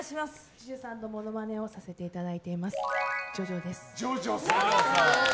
ＪＵＪＵさんのモノマネをさせていただいていますＪＯＪＯです。